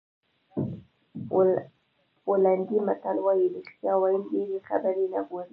پولنډي متل وایي رښتیا ویل ډېرې خبرې نه غواړي.